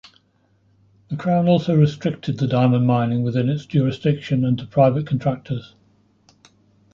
The crown also restricted the diamond mining within its jurisdiction and to private contractors.